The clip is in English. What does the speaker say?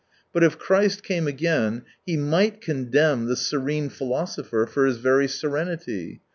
But if Christ came again, he might condemn the serene philosopher for his very serenity.